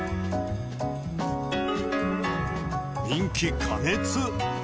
人気過熱！